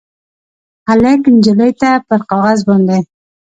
هلک نجلۍ ته پر کاغذ باندې